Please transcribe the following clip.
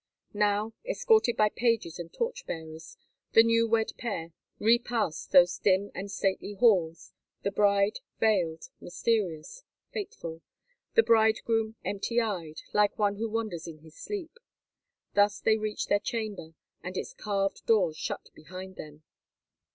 Now, escorted by pages and torch bearers, the new wed pair repassed those dim and stately halls, the bride, veiled, mysterious, fateful; the bridegroom, empty eyed, like one who wanders in his sleep. Thus they reached their chamber, and its carved doors shut behind them.